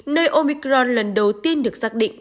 nơi ômicron lần đầu tiên được xác định